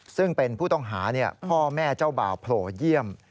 ซึ่งเป็นผู้ต้องหาพ่อแม่เจ้าบ่าวโผล่เยี่ยม